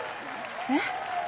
えっ？